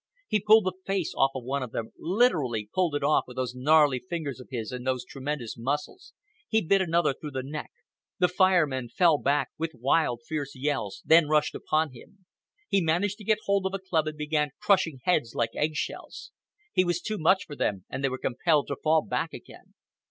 He pulled the face off one of them, literally pulled it off with those gnarly fingers of his and those tremendous muscles. He bit another through the neck. The Fire Men fell back with wild fierce yells, then rushed upon him. He managed to get hold of a club and began crushing heads like eggshells. He was too much for them, and they were compelled to fall back again.